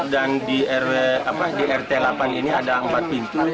dan di rt delapan ini ada empat pintu